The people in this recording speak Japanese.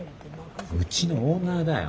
うちのオーナーだよ。